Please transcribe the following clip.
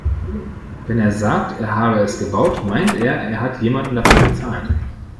Wenn er sagt, er habe es gebaut, meint er, er hat jemanden dafür bezahlt.